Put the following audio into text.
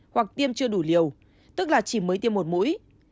hoặc tiêm chưa đủ liều tức là chỉ mới tiêm một mũi